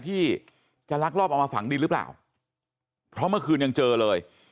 ที่จะลักลอบเอามาฝังดินหรือเปล่าเพราะเมื่อคืนยังเจอเลย